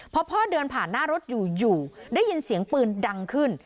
พอพ่อเดินผ่านหน้ารถอยู่อยู่ได้ยินเสียงปืนดังขึ้น